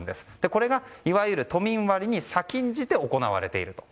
これがいわゆる都民割に先んじて行われていると。